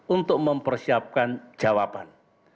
untuk mempersiapkan jawaban